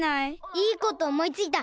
いいこと思いついた！